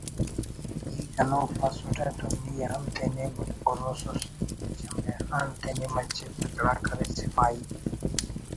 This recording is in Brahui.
ای گنوک مسٹہ تو نی ہم تینے ہروسس…… شمبے خان تینے مچے تکڑا کرے سپاہی